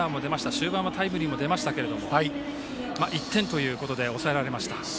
終盤はタイムリーも出ましたが１点に抑えられました。